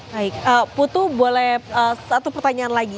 baik putu boleh satu pertanyaan lagi